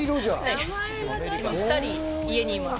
２人家にいます。